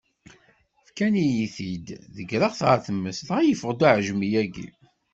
Fkan-iyi-t-id, ḍeggreɣ-t ɣer tmes, dɣa yeffeɣ-d uɛejmi-agi.